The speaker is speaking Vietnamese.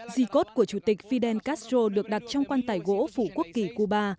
di cốt của chủ tịch fidel castro được đặt trong quan tài gỗ phủ quốc kỳ cuba